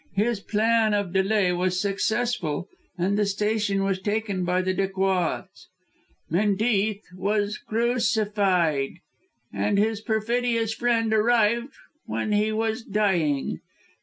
His plan of delay was successful, and the station was taken by the Dacoits. Menteith was crucified and his perfidious friend arrived when he was dying.